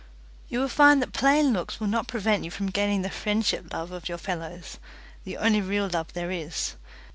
You will find that plain looks will not prevent you from gaining the friendship love of your fellows the only real love there is.